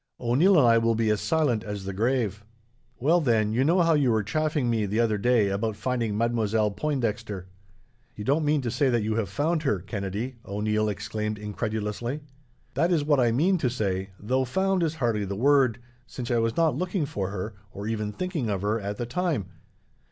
O'Neil and I will be as silent as the grave." "Well, then, you know how you were chaffing me, the other day, about finding Mademoiselle Pointdexter?" "You don't mean to say that you have found her, Kennedy?" O'Neil exclaimed incredulously. "That is what I mean to say, though found is hardly the word, since I was not looking for her, or even thinking of her, at the time.